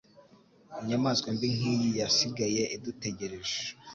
inyamaswa mbi nkiyi yasigaye idutegereje